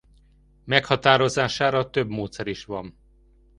Meghatározására több módszer is van.